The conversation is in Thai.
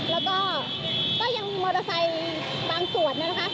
แล้วก็ก็ยังมีมอเตอร์ไซค์บางส่วนเนี่ยนะคะ